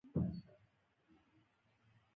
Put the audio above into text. خو ملک صاحب پکې پټک پټک وکړ.